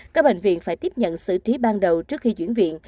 các bệnh viện phải tiếp nhận xử trí ban đầu trước khi chuyển viện